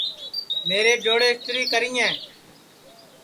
میرے چوڑے اِستری کریں